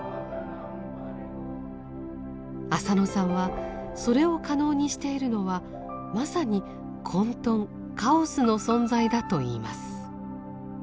浅野さんはそれを可能にしているのはまさに混沌・カオスの存在だといいます。